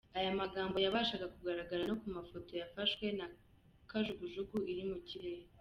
Aya magambo yabashaga kugaragara no ku mafoto yafashwe na kajugujugu iri mu kirere.